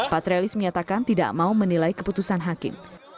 patrialis menyatakan tidak mau menilai keputusan hakim